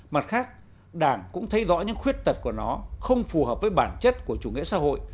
mặt khác đảng cũng thấy rõ những khuyết tật của nó không phù hợp với bản chất của chủ nghĩa xã hội